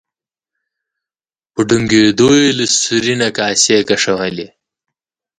په ډونګیدو یې له سوري نه کاسې کشولې.